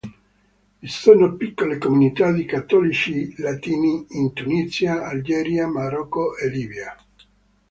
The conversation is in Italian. Vi sono piccole comunità di cattolici latini in Tunisia, Algeria, Marocco, e Libia.